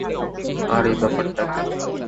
আর এই ব্যাপারটাকেও।